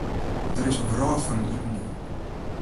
Der is in wrâld foar my iepengien.